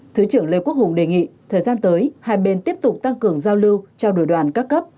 thứ trưởng lê quốc hùng đề nghị thời gian tới hai bên tiếp tục tăng cường giao lưu trao đổi đoàn các cấp